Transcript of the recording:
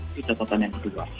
itu catatan yang kedua